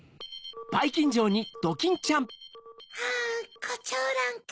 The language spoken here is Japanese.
はぁコチョウランか。